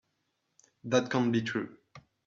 That can't be true.